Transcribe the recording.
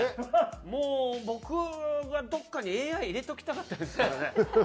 もう僕がどこかにＡＩ入れときたかったですけどね。